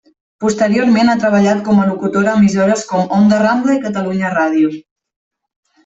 Posteriorment ha treballat com a locutora a emissores com Onda Rambla i Catalunya Ràdio.